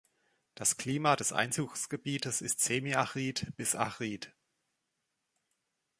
Das Klima des Einzugsgebietes ist semi-arid bis arid.